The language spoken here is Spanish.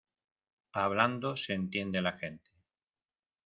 Hablando se entiende la gente.